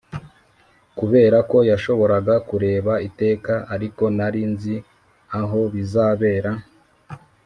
'kuberako yashoboraga kureba iteka, ariko nari nzi aho bizabera,